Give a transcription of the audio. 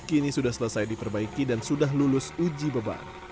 kini sudah selesai diperbaiki dan sudah lulus uji beban